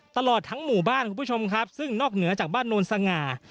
ตลอดทั้งหมู่บ้านคุณผู้ชมครับซึ่งนอกเหนือจากบ้านโนนสง่า